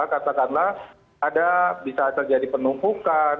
katakanlah ada bisa terjadi penumpukan